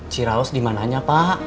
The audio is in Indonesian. ciraos dimananya pak